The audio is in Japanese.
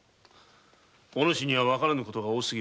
お主にはわからぬ事が多すぎる。